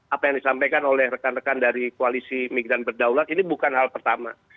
apa yang disampaikan oleh rekan rekan dari koalisi migran berdaulat ini bukan hal pertama